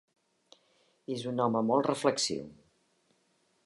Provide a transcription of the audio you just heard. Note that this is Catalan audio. És un home molt reflexiu.